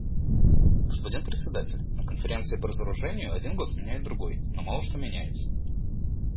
Господин Председатель, на Конференции по разоружению один год сменяет другой, но мало что меняется.